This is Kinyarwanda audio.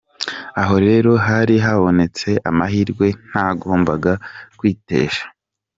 Aho rero hari habonetse amahirwe ntagombaga kwitesha.